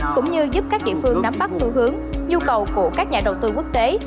cũng như giúp các địa phương nắm bắt xu hướng nhu cầu của các nhà đầu tư quốc tế